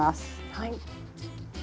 はい。